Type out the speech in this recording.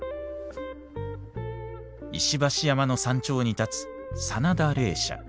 石橋山の山頂に建つ佐奈田霊社。